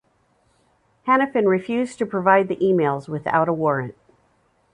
Hanafin refused to provide the emails without a warrant.